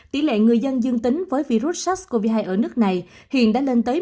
tỷ lệ người dân dương tính với virus sars cov hai ở nước này hiện đã lên tới một mươi